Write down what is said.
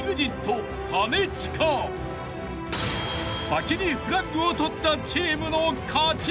［先にフラッグを取ったチームの勝ち］